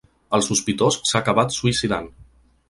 El sospitós s’ha acabat suïcidant.